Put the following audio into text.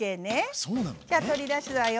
じゃあ取り出すわよ。